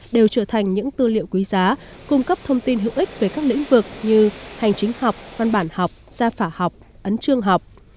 đều trở thành những tư liệu quý giá cung cấp thông tin hữu ích về các lĩnh vực như hành chính học văn bản học gia phả học ấn trường học